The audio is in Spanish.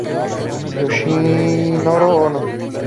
Yoshinori Ono